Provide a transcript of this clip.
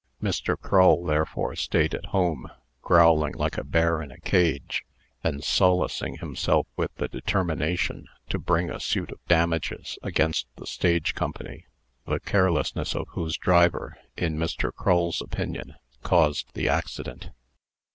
Mr. Crull therefore stayed at home, growling like a bear in a cage, and solacing himself with the determination to bring a suit for damages against the stage company, the carelessness of whose driver (in Mr. Crull's opinion) caused the accident.